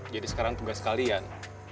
jadi sekarang tugas kalian